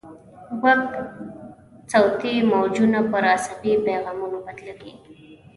غوږ صوتي موجونه پر عصبي پیغامونو بدلوي.